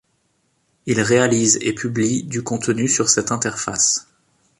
Ils réalisent et publient du contenu sur cette interface.